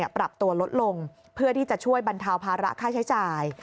ปรับตัวลดลงเพื่อที่จะช่วยบรรเทาภาระค่าใช้จ่าย